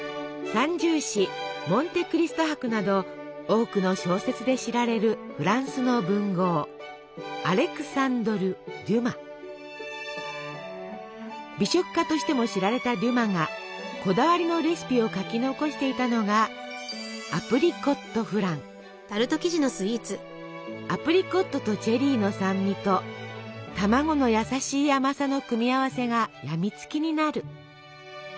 「三銃士」「モンテ・クリスト伯」など多くの小説で知られるフランスの文豪美食家としても知られたデュマがこだわりのレシピを書き残していたのがアプリコットとチェリーの酸味と卵の優しい甘さの組み合わせがやみつきになる。